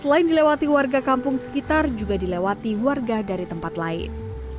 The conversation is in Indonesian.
selain dilewati warga kampung sekitar juga dilewati warga dari tempat lain